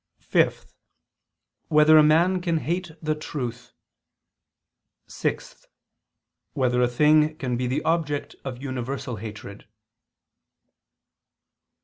(5) Whether a man can hate the truth? (6) Whether a thing can be the object of universal hatred?